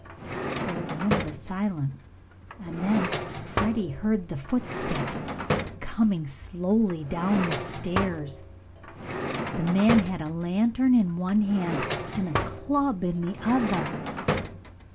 There was a minute of silence, and then Freddie heard the footsteps coming slowly down the stairs. The man had a lantern in one hand and a club in the other.